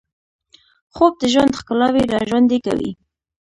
خوب د ژوند ښکلاوې راژوندۍ کوي